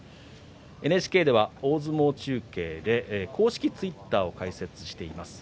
ＮＨＫ大相撲中継では公式ツイッターを開設しています。